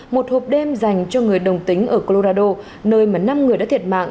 một hộp đêm dành cho người đồng tính ở colurado nơi mà năm người đã thiệt mạng